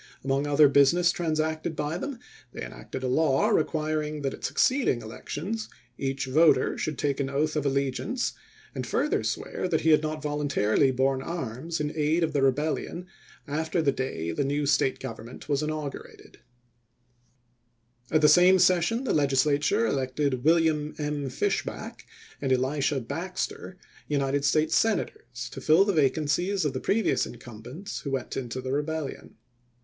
Among other business transacted by them, they enacted a law requiring that at suc ceeding elections each voter should take an oath of allegiance, and further swear that he had not voluntarily borne arms in aid of the Rebellion after the day the new State government was inaugurated. Vol. VIII.— 27 KimbaU to the President, April 11, 1864. MS. 418 ABRAHAM LINCOLN At the same session the Legislature elected Wil liam M. Fishback and Elisha Baxter United States Senators, to fill the vacancies of the previous in cumbents, who went into the Rebellion.